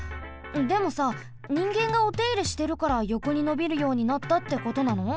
でもさにんげんがおていれしてるからよこにのびるようになったってことなの？